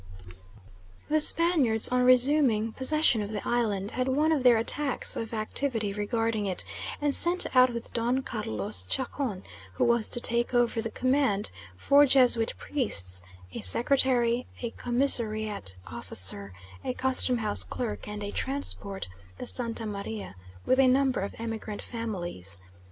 The Spaniards, on resuming possession of the island, had one of their attacks of activity regarding it, and sent out with Don Carlos Chacon, who was to take over the command, four Jesuit priests, a secretary, a commissariat officer, a custom house clerk, and a transport, the Santa Maria, with a number of emigrant families.